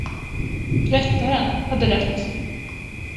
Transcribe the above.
Rättaren hade rätt.